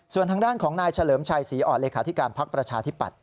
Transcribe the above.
ส่วนทางด้านของนายเฉลิมชัยศรีอ่อนเลขาธิการพักประชาธิปัตย